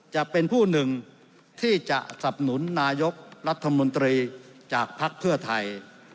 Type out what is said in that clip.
จะเป็นผู้หนึ่งที่จะสับหนุนนายกรัฐมนตรีจากภักดิ์เพื่อไทย